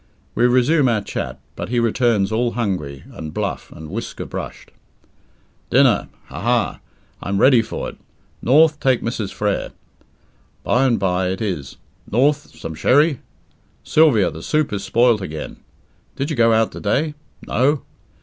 We resume our chat, but he returns all hungry, and bluff, and whisker brushed. "Dinner. Ha ha! I'm ready for it. North, take Mrs. Frere." By and by it is, "North, some sherry? Sylvia, the soup is spoilt again. Did you go out to day? No?"